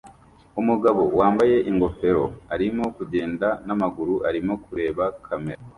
Umugabo wambaye ingofero arimo kugenda n'amaguru arimo kureba kamera